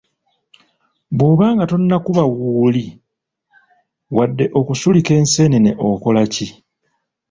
Bw'oba nga tonnakuba “wuuli” wadde okusulika enseenene okola ki?